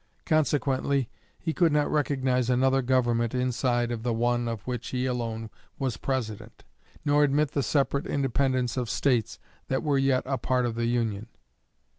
Consequently he could not recognize another government inside of the one of which he alone was President, nor admit the separate independence of States that were yet a part of the Union.